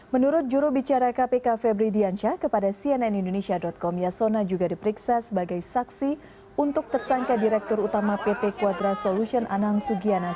menurut jurubicara kpk febri dianca kepada cnnindonesia com yasona juga diperiksa sebagai saksi untuk tersangka direktur utama pt kuantum